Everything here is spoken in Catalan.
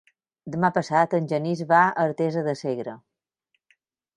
Demà passat en Genís va a Artesa de Segre.